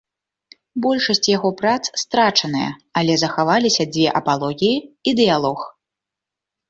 Большасць яго прац страчаныя, але захаваліся дзве апалогіі і дыялог.